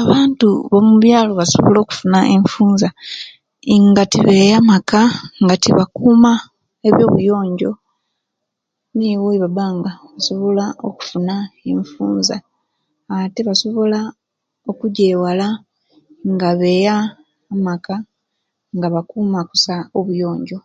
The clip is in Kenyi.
Abantu bomubyaalo basobola okufuna enfunza nga tebeya amaka nga tebakuuma ebyo'buyonjjo niwo webabanga basobola okufuna enfunza ate basobola okujewaala nga beya amaka nga bakuuma kusa obuyonjjo.